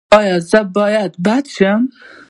ایا زه باید بد شم؟